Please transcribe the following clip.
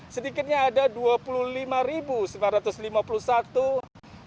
sedikitnya ada dua puluh orang yang datang ke pulau bali